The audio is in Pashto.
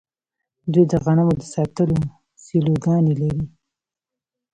دوی د غنمو د ساتلو سیلوګانې لري.